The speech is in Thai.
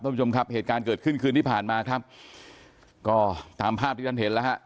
ผู้ชมครับเหตุการณ์เกิดขึ้นคืนที่ผ่านมาครับก็ตามภาพที่ท่านเห็นแล้วฮะ